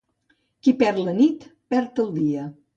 Qui perd la nit, perd el dia.